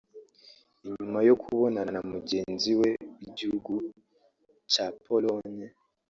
Inyuma yo kubonana na mugenzi we w'igihugu ca Pologne